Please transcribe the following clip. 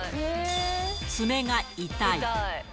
爪が痛い。